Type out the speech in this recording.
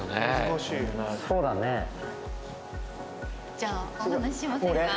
じゃあお話ししませんか？